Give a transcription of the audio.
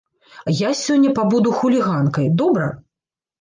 Я сёння пабуду хуліганкай, добра?